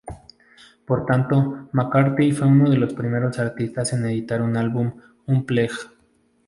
Por tanto, McCartney fue uno de los primeros artistas en editar un álbum "unplugged".